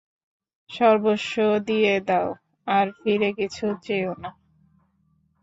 সর্বস্ব দিয়ে দাও, আর ফিরে কিছু চেও না।